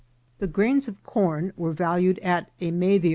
The grains of corn were valued at a me dio.